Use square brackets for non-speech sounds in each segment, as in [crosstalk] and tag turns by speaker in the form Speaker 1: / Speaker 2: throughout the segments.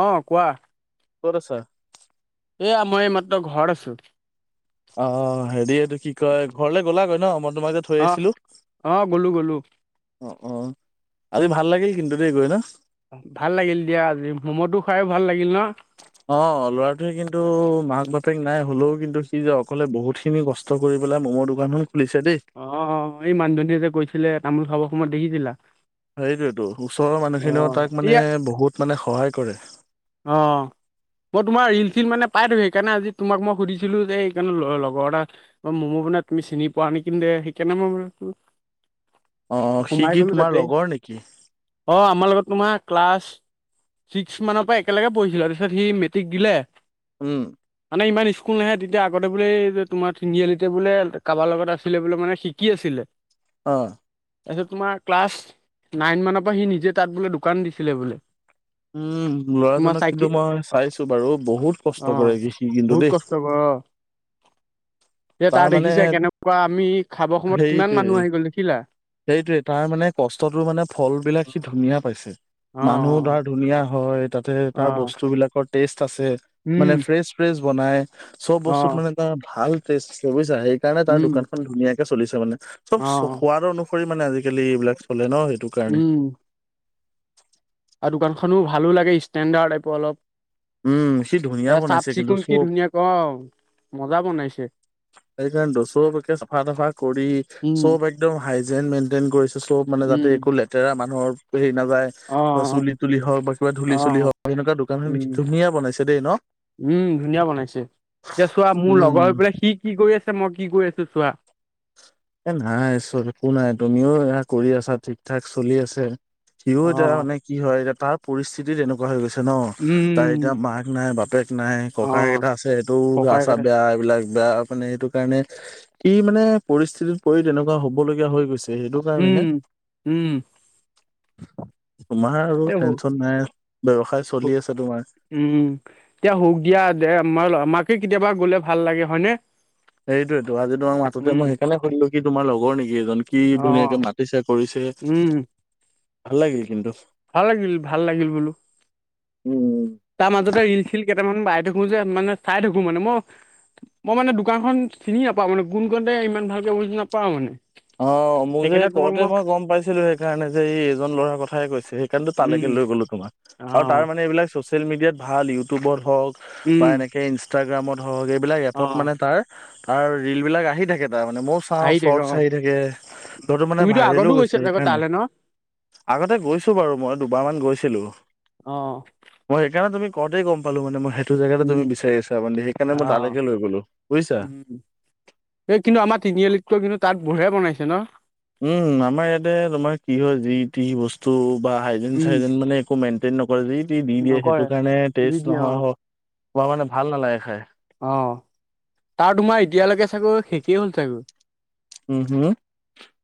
Speaker 1: অ', কোৱা?
Speaker 2: ক'ত আছা?
Speaker 1: এয়া মই এইমাত্ৰ ঘৰত আছো।
Speaker 2: অ', হেৰি এইটো কি কয় ঘৰলে গ'লাগৈ ন' মই তোমাক যে থৈ
Speaker 1: অ',
Speaker 2: আহিছিলো?
Speaker 1: অ', গ'লো গ'লো
Speaker 2: অ', অ', আজি ভাল লাগিল কিন্তু দেই গৈ ন'?
Speaker 1: ভাল লাগিল দিয়া আজি মম'টো খাইও ভাল লাগিল ন'?
Speaker 2: অ', ল'ৰাটোৱে কিন্তু মাক বাপেক নাই হলেও কিন্তু সি যে, অকলে বহুত খিনি কষ্ট কষ্ট কৰি পেলাই ম'মৰ দোকানখন খুলিছে দেই।
Speaker 1: অ', অ', এই মানুজনীয়ে যে কৈছিলে তামোল খাবৰ সময়ত দেখিছিলা?
Speaker 2: সেইটোয়েটো ওচৰৰ মানুহখিনিও
Speaker 1: অ',
Speaker 2: তাক মানে
Speaker 1: এতিয়া
Speaker 2: বহুত মানে সহায় কৰে।
Speaker 1: অ'। মই তোমাৰ ৰিল-চিল মানে পাই থাকোঁ, সেইকাৰণে আজি তোমাক মই সুধিছিলো যে এইকনৰ লগৰ এটা ম'ম' বানাই তুমি চিনি পোৱা নেকি দে সেইকাৰণে মই মান
Speaker 2: অ', সি
Speaker 1: সোমাই
Speaker 2: কি
Speaker 1: গ'লো
Speaker 2: তোমাৰ
Speaker 1: তাতেই।
Speaker 2: লগৰ নেকি?
Speaker 1: অ', আমাৰ লগত তোমাৰ ক্লাছ ছিক্স মানৰ পৰাই একেলগে পঢ়িছিল তাৰিছত সি মেট্ৰিক দিলে।
Speaker 2: উম।
Speaker 1: মানে ইমান স্কুল নাহে, তেতিয়া আগতে বোলে তোমাৰ তিনিআলিতে বোলে কাৰোবাৰ লগত আছিলে বোলে মানে শিকি আছিলে।
Speaker 2: অ'।
Speaker 1: তাৰপিছত তোমাৰ ক্লাছ নাইনমানৰ পৰা সি নিজে তাত বোলে দোকান দিছিলে বোলে।
Speaker 2: উম,
Speaker 1: তোমাৰ
Speaker 2: ল'ৰাজনক কিন্তু
Speaker 1: চাইকেল
Speaker 2: মই চাইছো বাৰু বহুত
Speaker 1: অ
Speaker 2: কষ্ট কৰে সি কিন্তু দেই।
Speaker 1: অ'। এ তাৰ দেখিছা কেনেকুৱা আমি খাবৰ সময়ত কিমান
Speaker 2: সেইটোৱে
Speaker 1: মানুহ আহি গ'ল দেখিলা?
Speaker 2: সেইটোৱে তাৰ মানে কষ্টটো মানে ফল বিলাক সি ধুনীয়া পাইছে।
Speaker 1: অ
Speaker 2: মানুহ তাৰ ধুনীয়া হয়, তাতে
Speaker 1: অ
Speaker 2: তাৰ বস্তু বিলাকৰ টেষ্ট আছে মানে
Speaker 1: উম
Speaker 2: ফ্ৰেচ টেষ্ট বনাই চব
Speaker 1: অ
Speaker 2: বস্তুত মানে তাৰ ভালটেষ্ট আছে বুজিছা সেইকাৰণে, তাৰ
Speaker 1: উম
Speaker 2: দোকান ধুনীয়াকে চলিছে মান চব
Speaker 1: অ
Speaker 2: সোৱাদ অনুসৰি মানে আজিকালি এইবিলাক চলে ন' সেইটো। কাৰণে।
Speaker 1: উম। আৰু দোকানখনো ভালো লাগে ষ্টেণ্ডাৰ্ড টাইপৰ অলপ।
Speaker 2: উম, সি ধুনীয়া
Speaker 1: এ চাফ
Speaker 2: বনাইছে কিন্তু
Speaker 1: চিকুণ কি
Speaker 2: চব।
Speaker 1: ধুনীয়াক অ', মজা বনাইছে।
Speaker 2: সেইকাৰণেটো চব একে চাফা-তাফা কৰি।
Speaker 1: উম
Speaker 2: চব একদম হাইজেন মেইনটেইন কৰিছে, চব মানে
Speaker 1: উম
Speaker 2: যাতে একো লেতেৰা মানুহৰ হেৰি নাযায়।
Speaker 1: অ
Speaker 2: বা চুলি তুলি হওক বা কিবা ধূলি চুলি
Speaker 1: অ
Speaker 2: হওক, সনেকুৱা দোকানি
Speaker 1: উম
Speaker 2: ধুনীয়া বনাইছে দেই ন'!
Speaker 1: উম, ধুনীয়া বনাইছে, এতিয়া চোৱা মোৰ লগৰ
Speaker 2: উম
Speaker 1: হৈ পেলাই সি কি কৰি আছে, মই কি কৰি আছো চোৱা।
Speaker 2: এ নাই চব একো নাই তুমিও এয়া কৰি আছা ঠিক ঠাক চলি আছে। সিও এতিয়া
Speaker 1: অ
Speaker 2: মানে কি হয় এতিয়া তাৰ পৰিস্থিতি তিতি তেনেকুৱা হৈ গৈছে ন তাই এতিয়া
Speaker 1: উম
Speaker 2: মাক নাই বাপেক নাই। ককাই
Speaker 1: অ
Speaker 2: এটা আছে সেইটোও গা চা
Speaker 1: ককাইকতে
Speaker 2: বেয়া। এইবিলাক বেয়া মানে সেইটো কাৰণে কি মানে পৰিস্থিতিত পৰি তেনেকুৱা হবলগীয়া হৈ গৈছে সেইটো কাৰণে হে
Speaker 1: উম উম
Speaker 2: তোমাৰ আৰু
Speaker 1: এ
Speaker 2: টেনচন নাই ব্যৱসায় চলি আছে তোমাৰ।
Speaker 1: উম এতিয়া হুক দিয়া দে আ মাকে কেতিয়াবা গ'লে ভাল লাগে হয়নে?
Speaker 2: সেইটোয়েতো আজি তোমাৰ মাতোতে
Speaker 1: উম
Speaker 2: মই সেইকাৰণে সুধিলো কি তোমাৰ লগৰ নেকি এজন কি ধুনীয়াকে
Speaker 1: অ
Speaker 2: মাতিছে কৰিছে।
Speaker 1: উম।
Speaker 2: ভাল লাগিল কিন্তু।
Speaker 1: ভাল লাগিল ভাল লাগিল বোলো।
Speaker 2: উম।
Speaker 1: তাৰ মাজতে ৰিল চিল কেইটামান বাই থাকো যে মানে চাই থাকো মানে মই মই মানে দোকানখন চিনি নাপাও মানে কোন কণতে ইমান ভালকে বুজি নাপাও মানে।
Speaker 2: অ মোক যে
Speaker 1: সেইকাৰণে তোমাক
Speaker 2: কওঁতে মই গম পাইছিলো সেইকাৰণে যে এই এজন ল'ৰাৰ কথাই কৈছে। সিকৰণেটো তালৈকে
Speaker 1: উম
Speaker 2: লৈ গলো তোমাৰ
Speaker 1: অ
Speaker 2: আৰু তাৰ মানে এইবিলাক ছ'চিয়েল মিডিয়াত ভাল ইউটিউবত হওক বা
Speaker 1: উম
Speaker 2: এনেকৈ ইনষ্টাগ্ৰামত হওক এইবিলাক এপত
Speaker 1: অ
Speaker 2: মানে তাৰ তাৰ ৰিল বিলাক আহি থাকে তাৰ মানে ময়ো চাওঁ
Speaker 1: আহি থাকে
Speaker 2: চৰ্টচ
Speaker 1: অ
Speaker 2: চাৰি থাকে লৰাটো মানে
Speaker 1: তুমিতো
Speaker 2: ভাইৰেলো
Speaker 1: আগতো গৈছা
Speaker 2: হৈছে
Speaker 1: চাগৈ
Speaker 2: সেইকাৰণে।
Speaker 1: তালৈ ন
Speaker 2: আগতে গৈছোঁ বাৰু মই দুবাৰমান গৈছিলোঁ।
Speaker 1: অ।
Speaker 2: মই সেইকাৰণে তুমি কওঁতে গম পালো মানে মই এইটো জেগাতে
Speaker 1: উম
Speaker 2: তুমি বিচাৰি আছা মানে সেইকাৰণে
Speaker 1: অ
Speaker 2: মই তালৈকে লৈ গলোঁ বুজিছা।
Speaker 1: উম এই কিন্তু আমাৰ তিনিআলিত কিন্তু তাত বঢ়িয়া বনাইছে ন?
Speaker 2: উম আমাৰ ইয়াতে তোমাৰ কি হয় যি টি বস্তু বা হাইজিন
Speaker 1: উম,
Speaker 2: চাইজিন মানে একো মেইনটেইন নক যি টি দি দিয়ে
Speaker 1: নকৰে
Speaker 2: সেইটো কাৰণে
Speaker 1: দি
Speaker 2: টেষ্ট
Speaker 1: দিয়ে
Speaker 2: নোহোৱা
Speaker 1: অ'।
Speaker 2: হল, খোৱা মানে ভাল নালাগে খাই।
Speaker 1: অ তাৰ তোমাৰ এতিয়ালৈকে চাগৈ শেষেই হ'ল চাগৈ?
Speaker 2: উম হুম।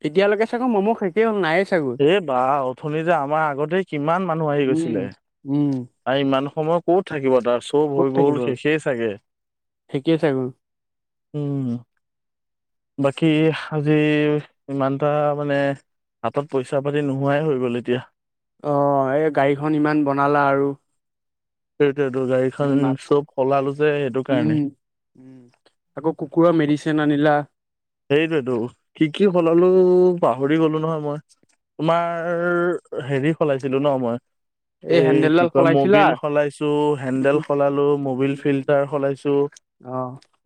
Speaker 1: এতিয়ালৈকে চাগে মমো খাই শেষে হ'ল নাইয়ে চাগৈ।
Speaker 2: এই বা অথনি যে আমাৰ আগতে কিমান মানুহ আহি গৈছিলে।
Speaker 1: উম, উম,
Speaker 2: আৰু ইমান সময় ক'ত থাকিব তাৰছত চব
Speaker 1: ক'ত
Speaker 2: হৈ গ'ল
Speaker 1: থাকিব। আৰু।
Speaker 2: শেষেই চাগে।
Speaker 1: শেষেই চাগৈ
Speaker 2: উম বাকী আজি ইমানটা মানে তত পইচা পাতি নোহোৱাই হৈ গ'ল এতিয়া।
Speaker 1: অ এই গাড়ীখন ইমান বনালা আৰু।
Speaker 2: সেইটোৱেতো গাড়ীখন
Speaker 1: উম,
Speaker 2: চব সলালো যে সেইটো কাৰণে।
Speaker 1: উম। উম আকৌ কুকুৰৰ মেডিচিন আনিলা।
Speaker 2: সেইটেৱেতো কি কি সলালো পাহৰি গলো নহয় মই। তোমাৰ হেৰি সলাইছিলো ন মই। এই কি
Speaker 1: হেন্দেলডাল
Speaker 2: কয়
Speaker 1: সলাইছিলা।
Speaker 2: মবিল সলাইছো, হেন্দেল সলালো, মবিল ফিল্টাৰ সলাইছো।
Speaker 1: অ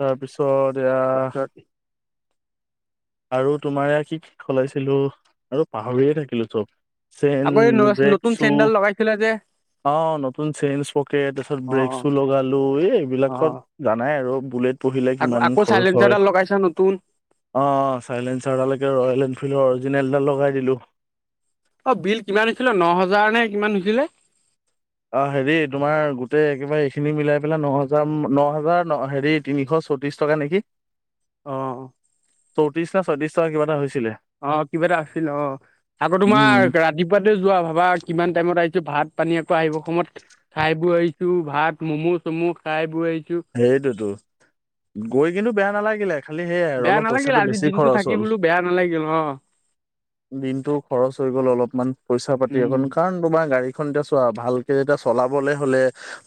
Speaker 2: তাৰপিছত এয়া
Speaker 1: তাৰপিছত
Speaker 2: আৰু তোমাৰ এ কি কি সলাইছিলো আৰু পাহৰিয়ে থাকিলো চব। চেন,
Speaker 1: আকৌ এই
Speaker 2: ব্ৰেক
Speaker 1: নতুন
Speaker 2: চো।
Speaker 1: চেইনডাল লগাইছিলা যে।
Speaker 2: অ নতুন চেইন পকেট তাৰপিছত
Speaker 1: অ',
Speaker 2: ব্ৰেক
Speaker 1: অ'।
Speaker 2: চো লগালো এই
Speaker 1: অ।
Speaker 2: এইবিলাকত জানাই আৰু বুলেট পুহিলে
Speaker 1: আকৌ
Speaker 2: কিমান
Speaker 1: আকৌ
Speaker 2: খৰচ হয়।
Speaker 1: চাইলেঞ্চাৰডাল লগাইছা নতুন
Speaker 2: অ অঁ চাইলেনঞ্চাৰডালৈকে ৰয়েল এনফিল্ডৰ অৰিজিনেলডাল লগাই দিলো।
Speaker 1: অ বিল কিমান হৈছিলে ন হাজাৰ নে কিমান উঠিলে?
Speaker 2: অ হেৰি তোমাৰ গোটেই একেবাৰে এইখিনি মিলাই পেলাই ন হাজাৰ ন হাজাৰ ন হেৰি তিনিশ চৌ ত্ৰিছ টকা নেকি।
Speaker 1: অঁ।
Speaker 2: চৌত্ৰিশ ন ছয়ত্ৰিশ টকা কিবা এটা হৈছিলে।
Speaker 1: অ কিবা এটা আছিল অ আকৌ
Speaker 2: উম,
Speaker 1: তোমাৰ ৰা তিপুৱাতে যোৱা ভাবা কিমান টাইমত আহিছো ভাত পানী আকৌ আহিব সময়ত খাই বৈ আহিছো ভাত ম'ম' চম' খাই বৈ আহিছো।
Speaker 2: সেইটোতো গৈ কিন্তু বেয়া নালাগিলে। খালি সেয়াই আৰু
Speaker 1: বেয়া
Speaker 2: অলপ
Speaker 1: নালাগিল
Speaker 2: পইচাটো
Speaker 1: আজি
Speaker 2: বেছি
Speaker 1: দিনটো
Speaker 2: খৰচ
Speaker 1: থাকি
Speaker 2: হ'ল।
Speaker 1: বোলো বেয়া নালাগিল অ
Speaker 2: দিনটো খৰচ হৈ গ'ল অলপমান পইচা পাতি
Speaker 1: উম
Speaker 2: অকন কাৰণ তোমাৰ গাড়ী এখন এতিয়া চোৱা ভালকে যেতিয়া চলাবলে হ'লে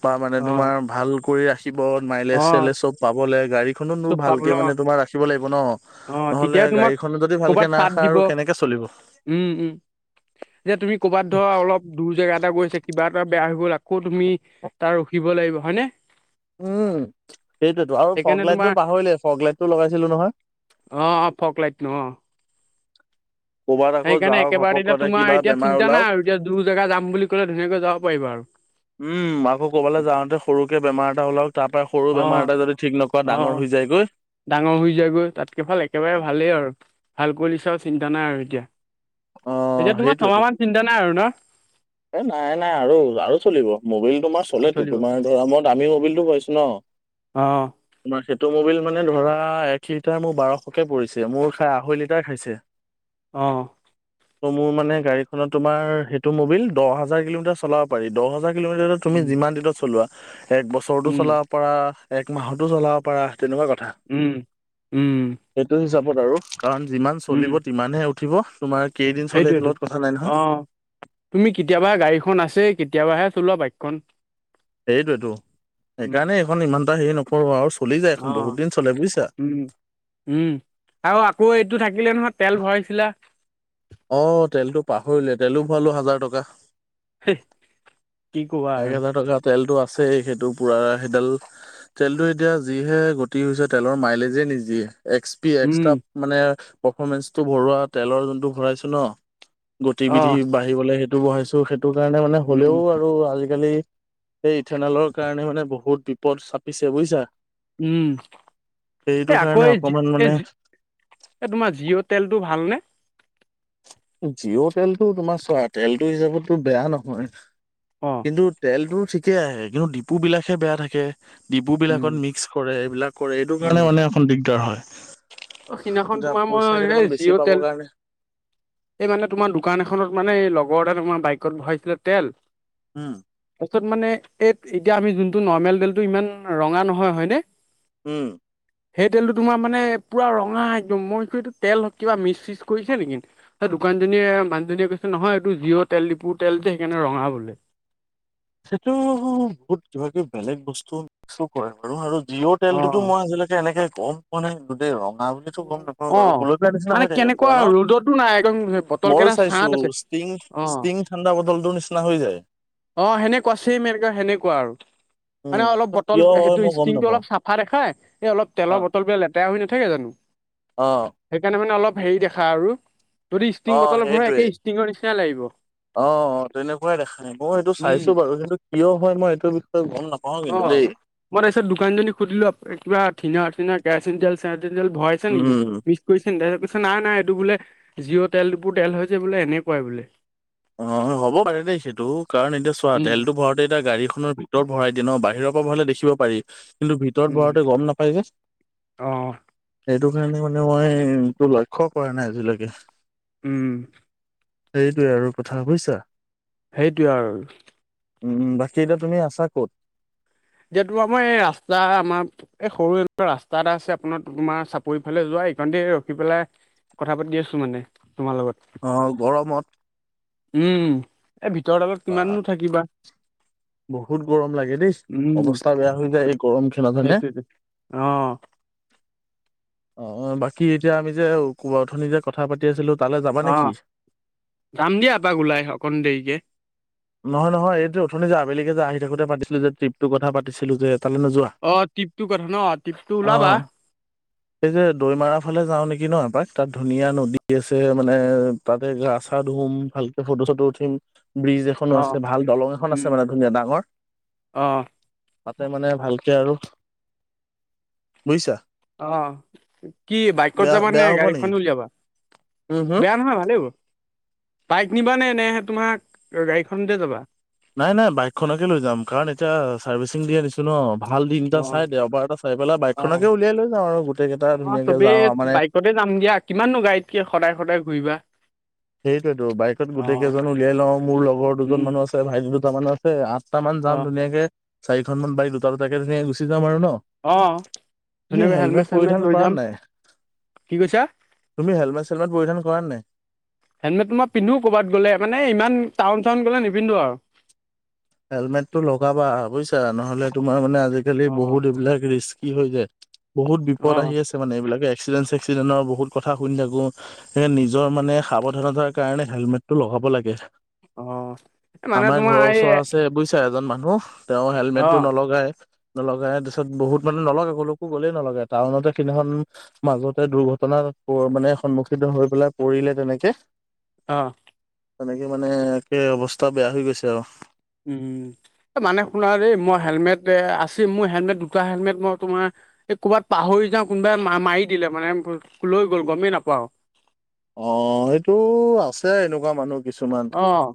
Speaker 2: বা মানে
Speaker 1: অ
Speaker 2: তোমাৰ ভাল কৰি ৰাখি ব মাইলেজ
Speaker 1: অ
Speaker 2: চাইলেজ চব পাবলে গাড়ীখনো
Speaker 1: চব
Speaker 2: ভালক
Speaker 1: পাবল অ
Speaker 2: মানে তোমাৰ ৰাখিব লাগিব ন।
Speaker 1: অ
Speaker 2: নহলে
Speaker 1: তেতিয়া তোমাক
Speaker 2: গাড়ীখনো যদি ভালকে
Speaker 1: কৰ'বাত চাট
Speaker 2: নাৰাখা
Speaker 1: দিব
Speaker 2: আৰু কেনেকে চলিব
Speaker 1: উম উম যে তুমি ক'ৰবাত ধৰা অলপ দূৰ জেগা এটা গৈছে কিবা এটা বেয়া হৈ গ'ল আকৌ তুমি তাৰ ৰখিব লাগিব হয়নে?
Speaker 2: উম, সেইটোতো আৰু
Speaker 1: সেইকাৰণে
Speaker 2: ফগ
Speaker 1: তোমাৰ
Speaker 2: লাইটটো পাহৰিলে ফগ লাইটটো লগাইছিলো নহয়।
Speaker 1: অ অ ফগ লাইটটো অ।
Speaker 2: ক'ৰবাত আকৌ
Speaker 1: সেইকাৰণে
Speaker 2: যাওঁ
Speaker 1: একেবাৰে তেতিয়া
Speaker 2: ঘপকতে
Speaker 1: তোমাৰ
Speaker 2: কিবা
Speaker 1: এতিয়া
Speaker 2: বেমাৰ
Speaker 1: চিন্তা
Speaker 2: ওলাওক।
Speaker 1: নাই আৰু এতিয়া দূৰ জেগা যাম বুলি ক'লে ধুনীয়াকৈ যাব পাৰিবা আৰু।
Speaker 2: উম আকৌ ক'বালে যাওঁতে সৰুকে বেমাৰ এটা ওলায়ক। তাৰ পৰা সৰু
Speaker 1: অঁ
Speaker 2: বেমাৰ এটা যদি ঠিক নকৰা
Speaker 1: অঁ
Speaker 2: ডাঙৰ হৈ যায়গৈ।
Speaker 1: ডাঙৰ হৈ যায়গৈ তাতকে ভাল একেবাৰে ভালেই আৰু ভাল কৰিছা আৰু চিন্তা নাই আৰু এতিয়া।
Speaker 2: অ',
Speaker 1: এতিয়া তোমাৰ ছমাহ
Speaker 2: সেইটোৱেতো।
Speaker 1: মান চিন্তা নাই আৰু ন?
Speaker 2: এ নাই নাই আৰু আৰু চলিব মবিল তোমাৰ
Speaker 1: অ',
Speaker 2: চলেতো
Speaker 1: চলিব
Speaker 2: তোমাৰ ধৰা মই দামীৰ মবিলটো পাইছো ন।
Speaker 1: অঁহ
Speaker 2: তোমাৰ সেইটো মুবিল মানে ধৰা এক লিটাৰ মোৰ বাৰশকে পৰিছে মোৰ খাই আঢ়ৈ লিটাৰ খাইছে। [inaudible]
Speaker 1: অঁহ।
Speaker 2: ত' মোৰ মানে গাড়ীখনত তোমাৰ সেইটো মবিল দহ হাজাৰ কিলোমিটাৰ চলাব পাৰি, দহ হাজাৰ কিলোমিটাৰ তুমি
Speaker 1: উম
Speaker 2: যিমান দিনত চলোৱা এক বছৰতো
Speaker 1: উম
Speaker 2: চলা ব পৰা এক মাহতো চলাব পাৰ তেনেকুৱা কথা।
Speaker 1: উম উম।
Speaker 2: সেইটো হিচাপত আৰু, কাৰণ যিমান
Speaker 1: উম
Speaker 2: চলিব সিমানহে উঠিব তোমাৰ কেইদিন চলে হেতো
Speaker 1: সেইটোৱেতো
Speaker 2: লগত কথা নাই নহয়।
Speaker 1: অঁ তুমি কেতিয়াবা গাড়ীখন আছে কেতিয়াবাহে চলোৱা বাইকখন।
Speaker 2: সেইটোৱেটো, সেইকাৰণে এইখন ইমানটা হেৰি নকৰো আৰু। চলি যায়
Speaker 1: অ
Speaker 2: এখন বহুত দিন চলে বুজিছা
Speaker 1: উম। উম আৰু আকৌ' এইটো থাকিলে নহয় তেল ভৰাইছিলা।
Speaker 2: অ' তেলতো পাহৰিলে তেলো ভৰালো হাজাৰ টকা।
Speaker 1: হে
Speaker 2: এক হাজাৰ টকা তেলটো আছেই সেইটো পুৰা সেইডাল কিন্তু এতিয়া যিহে গতি হৈছে তেলৰ মাইলেজে নিদিয়ে। এক্স
Speaker 1: উম
Speaker 2: [unintelligible] মানে পাৰফমেঞ্চটো ভৰোৱা তেলৰ যোনটো ভৰাইছো ন। গতিবিধি
Speaker 1: অঁ
Speaker 2: বাঢ়িবলৈ সেইটো বঢ়াইছো। সেইটো কাৰণে মানে
Speaker 1: উম
Speaker 2: হ'লেও আৰু আজিকালি এই ইথেনলৰ কাৰণে মানে বহুত বিপদ চাপিছে বুজিছা।
Speaker 1: উম এ
Speaker 2: সেইটো
Speaker 1: আকৌ
Speaker 2: কাৰণে
Speaker 1: এ যি
Speaker 2: অকমান
Speaker 1: এ
Speaker 2: মানে
Speaker 1: যি এই তোমাৰ জিঅ' তেলটো ভালনে?
Speaker 2: জিঅ' তেলটো তোমাৰ চোৱা তেলটো হিচাপতো বেয়া নহয়।
Speaker 1: অ
Speaker 2: কিন্তু তেলটো ঠিকেই আহে। কিন্তু ডিপুবিলাকহে বেয়া থাকে। ডিবু
Speaker 1: উম,
Speaker 2: বিলাকত মিক্স কৰে, এইবিলাক কৰে, এইটো
Speaker 1: উম।
Speaker 2: কাৰণে মানে একন দিগদাৰ হয়।
Speaker 1: অ' সিদিনাখন
Speaker 2: এতিয়া
Speaker 1: তোমাৰ
Speaker 2: পইচা
Speaker 1: মই
Speaker 2: কেইটামান
Speaker 1: এই
Speaker 2: বেছি
Speaker 1: জিঅ'
Speaker 2: পাবৰ
Speaker 1: তেল
Speaker 2: কাৰণে
Speaker 1: এই মানে তোমাৰ দোকান এখনত মানে এই লগৰ এ তোমাৰ বাইকত ভৰাইছিলে তেল
Speaker 2: উম।
Speaker 1: তাৰপিছত মানে এই এতিয়া আমি যোনটো নৰ্মেল তেলটো ইমান ৰঙা নহয় হয়নে।
Speaker 2: উম।
Speaker 1: সেই তেলটো তোমাৰ মানে পুৰা ৰঙা একদম মই কওঁ এইটো তেল কিবা মিচ চিচ কৰিছে নেকি। এ দোকানজনীয়ে মানুহজনীয়ে কৈছে নহয় এইটো জিঅ' তেল ডিপু তেল যে সেইকাৰণে ৰঙা বোলে।
Speaker 2: সেইটো বহুত কিবাকিবি বেলেগ বস্তু মিক্সো কৰে। বাৰু আৰু জিঅ' তেলটোতো
Speaker 1: অ',
Speaker 2: মই আজিলৈে এনেকে কওঁ কোৱা নাই দেই। ৰঙা বুলিতো গম নাপওঁ বাৰু
Speaker 1: অ',
Speaker 2: গুলপীয়া নিচিনা
Speaker 1: মানে
Speaker 2: হৈ থাকে পুৰা
Speaker 1: কেনেকুৱা
Speaker 2: ন?
Speaker 1: ৰ'দতো নাই একদম বটল
Speaker 2: মইও
Speaker 1: কেইটা
Speaker 2: চাইছো
Speaker 1: ছাঁত আছে
Speaker 2: ষ্টিং,
Speaker 1: অ'।
Speaker 2: ষ্টিং ঠাণ্ডা বটলটোৰ নিচিনা হৈ যায়।
Speaker 1: অ' সেনেকুৱা চেম এনেকুৱা সেনেকুৱা আৰু মানে
Speaker 2: উম,
Speaker 1: অলপ
Speaker 2: ত
Speaker 1: বটল
Speaker 2: কিয় হয়
Speaker 1: সেইটো
Speaker 2: মই গম
Speaker 1: ষ্টিংটো
Speaker 2: নাপাওঁ।
Speaker 1: অলপ চাপ দেখাই, এই অলপ তেলৰ
Speaker 2: অ',
Speaker 1: বটল বিলাক লেতেৰা হৈ নাথাকে জানোঁ।
Speaker 2: অ।
Speaker 1: সেইকাৰণে মানে অলপ হেৰি দেখা আৰু যদি ষ্ট্ৰিং
Speaker 2: অ',
Speaker 1: বটল ভৰা
Speaker 2: সেইটোৱে।
Speaker 1: একে ষ্টিঙৰ নিচিনা লাগিব।
Speaker 2: অ তেনেকুৱাই দেখাই মই সেইটো
Speaker 1: উম
Speaker 2: চাইছো বাৰু কিন্তু কিয় হয় মই এইটো বিষয়ে গম নাপাওঁ
Speaker 1: অ
Speaker 2: কিন্তু দেই।
Speaker 1: মই তাৰপিছত দোকানীজনক সুধিলো কিবা ঠনা ঠনা কেৰাচিন তেল চেৰাচিন তেল ভৰাইছে নেকি?
Speaker 2: উম।
Speaker 1: কৈছে, কৈছে নাই নাই এইটো বোলে জিঅ' তেলবোৰ তেল হৈ যে বোলে এনেকুৱাই বোলে।
Speaker 2: অ হ'ব পাৰে দেই সেইটো, কাৰণ এতিয়া চোৱা
Speaker 1: উম
Speaker 2: তেলতো ভৰাৱাতে এতিয়া গাড়ীখনৰ ভিতৰত ভৰাই দিয়ে ন, বাহিৰৰ পৰা ভৰালে দেখিব পাৰি, কিন্তু ভিতৰত
Speaker 1: উম
Speaker 2: ভৰাওতে গম নাপায় যে।
Speaker 1: অ
Speaker 2: সেইটো কাৰণে মানে মই এইটো লক্ষ্য কৰা নাই আজিলৈকে।
Speaker 1: উম।
Speaker 2: সেইটোৱে আৰু কথা বুজিছা?
Speaker 1: সেইটোৱে আৰু।
Speaker 2: উম বাকী এতিয়া তুমি আছা ক'ত?
Speaker 1: যিহেতু আমাৰ এই ৰাস্তা আমাৰ এই সৰু এনেকোৱা ৰাস্ত এটা আছে আপোনাৰ তোমাৰ চাপৰিফালে যোৱা এইকানতে ৰখি পেলাই কথা পাতি আছো মানে তোমাৰ লগত।
Speaker 2: অ' গৰমত।
Speaker 1: উম এই ভিতৰ দালত
Speaker 2: বা
Speaker 1: কিমানো থাকিবা।
Speaker 2: বহুত গৰম লাগে দেই,
Speaker 1: উম
Speaker 2: অৱস্থা বেয়া হৈ যায় এই গৰম খনতে হয়নে।
Speaker 1: সেইটোৱেতো অ'।
Speaker 2: অ বাকী এতিয়া আমি যে কোবা অথনি যে কথা পাতি আছিলো তালে যাবা
Speaker 1: অ
Speaker 2: নেকি?
Speaker 1: যাম দিয়া এপাক ওলাই অকণ দেৰিকে।
Speaker 2: নহয় নহয়, এইটো অথনি যে আবেলিকে যে আহি থাকোতে পাতিছিলো যে ট্ৰিপটো কথা পাতিছিলো যে, তালৈ নোযোৱা?
Speaker 1: অ! ট্ৰিপটো কথা ন, ট্ৰিপটো
Speaker 2: অ'।
Speaker 1: ওলাবা।
Speaker 2: এই যে দৈমাৰা ফালে যাওঁ নেকি ন এপাক। তাত ধুনীয়া নদী আছে মানে তাতে গা চা ধুম, ভালকে ফটো-চটো উঠিম, ব্ৰিজ এখ এখনো
Speaker 1: অ
Speaker 2: আছে। ভাল দলং এখন আছে
Speaker 1: উম
Speaker 2: মানে ধুনীয়া ডাঙৰ।
Speaker 1: অ
Speaker 2: তাতে মানে ভালকে আৰু বুজিছা।
Speaker 1: অঁ! কি বাইকত
Speaker 2: বেয়া
Speaker 1: যাবা নে
Speaker 2: বেয়া হ'ব
Speaker 1: গাড়ীখন
Speaker 2: নেকি
Speaker 1: উলিয়াবা?
Speaker 2: উম হুম
Speaker 1: বেয়া নহয় ভালেই হ'ব। বাইক নিবানে নে তোমাৰ গাড়ীখনতে যাবা?
Speaker 2: নাই-নাই বাইকখনকে লৈ যাম, কাৰণ এতিয়া চাৰ্ভিচিং দি আনিছোঁ। ন, ভাল দিন
Speaker 1: অ
Speaker 2: এটা চাই দেওবাৰ এটা চাই পেলাই,
Speaker 1: অ
Speaker 2: বাইকখনকে উলিয়াই লৈ যাওঁ আৰু গোটেইকেইটা
Speaker 1: অ
Speaker 2: ধুনীয়াকে
Speaker 1: চবেই
Speaker 2: যাওঁ আৰু মানে।
Speaker 1: বাইকতে যাম দিয়া, কিমাননো গাড়ীত কি সদায়-সদায় ঘূৰিবা।
Speaker 2: সেইটোৱেতো। বাইকত
Speaker 1: অ
Speaker 2: গোটেই কেইজন উলিয়াই লওঁ, মোৰ লগৰ দুজন
Speaker 1: উম
Speaker 2: মানো আছে, ভাইটি দুটামানো এই আঠটা মান যাম
Speaker 1: অ
Speaker 2: ধুনীয়াকে। চাৰিখনমান বাইক, দুটা-দুটাকে ধুনীয়াকে গুচি যাম আৰু ন।
Speaker 1: অঁ!
Speaker 2: তুমি
Speaker 1: ধুনীয়াকৈ
Speaker 2: হেলমেট
Speaker 1: হেলমেট-চেলমেট
Speaker 2: পৰিধান
Speaker 1: লৈ
Speaker 2: কৰা
Speaker 1: যাম।
Speaker 2: নাই
Speaker 1: কি কৈছা?
Speaker 2: তুমি হেলমেট-চেলমেট পৰিধান কৰা নে নাই।
Speaker 1: হেলমেট মই পিন্ধো ক'ৰবাত গ'লে মানে ইমান টাউন-চাউন গ'লে নিপিন্ধো আৰু।
Speaker 2: হেলমেটটো লগাবা বুজিছা, নহ'লে তোমাৰ মানে আ আজিকালি
Speaker 1: অ
Speaker 2: বহুত এইবিলাক ৰিক্সি হৈ যায়। বহুত
Speaker 1: অ
Speaker 2: বিপদ আহি আছে। মানে এইবিলাক এক্সিডেণ্ট-চে্ক্সিডেণ্টৰ বহুত কথা শুনি থাকোঁ। সেই নিজৰ মানে সাৱধানতাৰ কাৰণে হেলমেটটো লগাব লাগে।
Speaker 1: অ এ মানে
Speaker 2: আমাৰ
Speaker 1: তোমাৰ
Speaker 2: ঘৰৰ
Speaker 1: এই
Speaker 2: ওচৰ আছে বুজিছা, এজন মানুহ তেওঁ
Speaker 1: অ
Speaker 2: হেলমেটটো নলগাই। নলগাই, তাৰপিছত বহুত মানে নলগাই, ক'লেইকো গ'লেই নলগাই। টাউনতে সেইদিনাখন মাজতে দুৰ্ঘটনা, মানে সন্মুখীন হৈ পেলাই পৰিলে তেনেকে।
Speaker 1: অঁ!
Speaker 2: তেনেকে, মানে একে অৱস্থা বেয়া হৈ গৈছে আৰু।
Speaker 1: উম! মানে শুনা দেই মই হেলমেট আছে। মোৰ হেলমেট দুটা হেলমেট মই তোমাৰ এই ক'ৰবাত পাহৰি যাওঁ কোনোবাই মাৰি দিলে মানে লৈ গ'ল গমেই নাপাওঁ।
Speaker 2: অঁ! সেইটো আছে এনেকুৱা মানুহ। কিছুমান
Speaker 1: অঁ!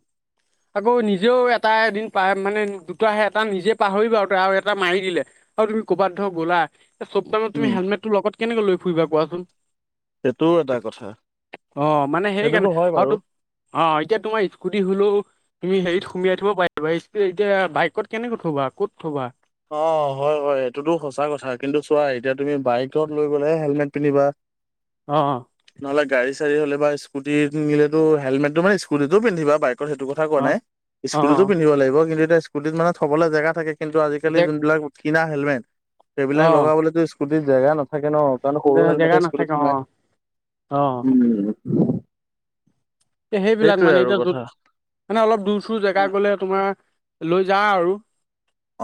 Speaker 1: আকৌ নিজেও এটা এদিন পা মানে, দুটা আছে এটা নিজে পাহৰিলোঁ আৰু এটা মাৰি দিলে। আৰু তুমি ক'ৰবাত ধৰ গ'লা, এই চব টাইমত তুমি
Speaker 2: উম
Speaker 1: হেলমেটটো লগত কেনেকে লৈ ফুৰিবা কোৱা চোন?
Speaker 2: সেইটোও এটা কথা
Speaker 1: অঁ! মানে
Speaker 2: সেইটোতো
Speaker 1: সেইকাৰণে
Speaker 2: হয়
Speaker 1: আৰু
Speaker 2: বাৰু
Speaker 1: তোক অঁ! এতিয়া তোমাৰ স্কুটি হ'লেও তুমি হেৰিত সুমোয়াই থব পাৰিবা। এতিয়া বাইকত কেনেকৈ থবা, ক'ত থবা?
Speaker 2: অঁ! হয়-হয় এইটোতো সঁচা কথা। কিন্তু চোৱা এতিয়া তুমি বাইকত লৈ গ'লে হেলমেট পিন্ধিবা। [unintelligible]
Speaker 1: অঁ!
Speaker 2: নহ'লে গাড়ী-চাড়ী হ'লে বা স্কুটি নিনিলেটো হেলমেতটো মানে স্কুটিটো পিন্ধিবা বাইকৰ সেইটো কথা কথা কোৱা
Speaker 1: অ
Speaker 2: নাই
Speaker 1: অ
Speaker 2: স্কুটিটো পিন্ধি লাগিব। কিন্তু এতিয়া স্কুটিত মানে থবলৈ জেগা থাকে কিন্তু আজিকালি
Speaker 1: জে
Speaker 2: যোনবিলাক কিনা হেলমেট সেইবিলাক
Speaker 1: অ
Speaker 2: লগাবলেতো স্কুটিত জেগা নাথাকে ন। কাৰণ সৰু
Speaker 1: জেগা
Speaker 2: হেলমেটহে
Speaker 1: নাথাকে
Speaker 2: স্কুলত
Speaker 1: অ
Speaker 2: সোমাই।
Speaker 1: অ
Speaker 2: উম!
Speaker 1: এয়া সেইবিলাক
Speaker 2: সেইটোৱে
Speaker 1: মানে
Speaker 2: আৰু
Speaker 1: এতিয়া যত
Speaker 2: কথা
Speaker 1: মানে অলপ দূৰ-চূৰ জেগা গ'লে তোমাৰ লৈ যা আৰু।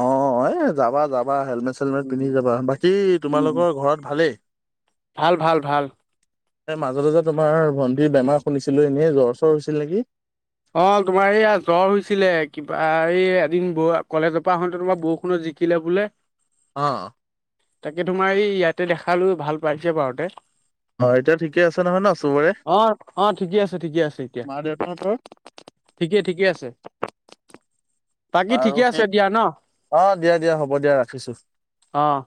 Speaker 2: অঁ-অঁ! এ যাবা-যাবা হেলমেট-চেলমেট পিন্ধি
Speaker 1: উম
Speaker 2: যাবা। বাকী তোমালোকৰ ঘৰত ভালেই?
Speaker 1: ভাল-ভাল-ভাল।
Speaker 2: এ মাজতে যে তোমাৰ ভণ্টিৰ বেমাৰ শুনিছিলোঁ, এনে জ্বৰ চৰ হৈছিল নেকি
Speaker 1: অ', তোমাৰ এইয়া জ্বৰ হৈছিলে কিবা, এই এদিন কলেজৰ পৰা আহোঁতে তোমাৰ বৰষুণত জিকিলে বোলে
Speaker 2: অ'।
Speaker 1: তাকে তোমাৰ এই ইয়াতে দেখালো ভাল পাইছে পাৰুতে
Speaker 2: অ', এতিয়া ঠিকে আছে নহয় ন চবৰে
Speaker 1: অ', অ', ঠিকে আছে ঠিকে আছে এতিয়া
Speaker 2: আৰু দেউতা হতৰ?
Speaker 1: ঠিকেই, ঠিকে আছে বাকী
Speaker 2: বাৰ
Speaker 1: ঠিকে আছে
Speaker 2: ঠিক
Speaker 1: দিয়া ন
Speaker 2: অ', দিয়া দিয়া হ'ব দিয়া ৰাখিছোঁ
Speaker 1: অ'।